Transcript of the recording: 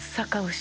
牛